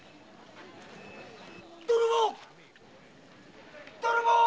泥棒泥棒‼